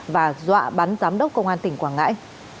và dọa bắn giám đốc công an tỉnh quảng ngãi